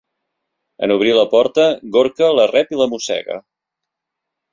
En obrir la porta, Gorca la rep i la mossega.